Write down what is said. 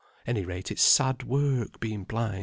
Any rate it's sad work, being blind."